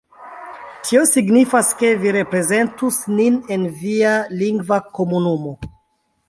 Tio signifas, ke vi reprezentus nin en via lingva komunumo